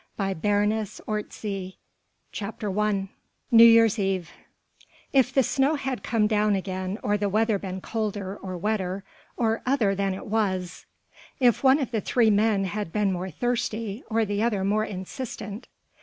THE ADVENTURE CHAPTER I NEW YEAR'S EVE If the snow had come down again or the weather been colder, or wetter, or other than it was.... If one of the three men had been more thirsty, or the other more insistent....